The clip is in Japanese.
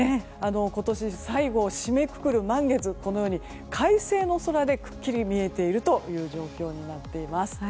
今年最後を締めくくる満月快晴の空でくっきり見えているという状況になっています。